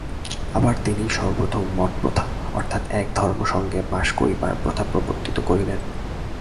আবার তিনিই সর্বপ্রথম মঠপ্রথা অর্থাৎ এক ধর্মসঙ্ঘে বাস করিবার প্রথা প্রবর্তিত করিলেন।